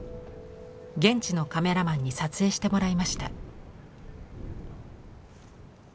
現地のカメラマンに撮影してもらいました。